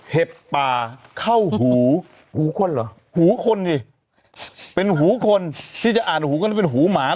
เห็บป่าเข้าหูหูคนเหรอหูคนดิเป็นหูคนที่จะอ่านหูคนนี้เป็นหูหมา